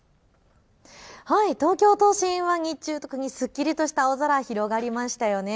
東京都心は日中特にすっきりとした青空、広がりましたよね。